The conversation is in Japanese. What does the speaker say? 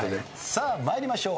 さあ参りましょう。